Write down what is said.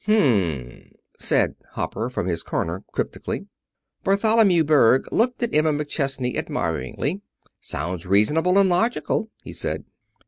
"Hm!" said Hopper, from his corner, cryptically. Bartholomew Berg looked at Emma McChesney admiringly. "Sounds reasonable and logical," he said.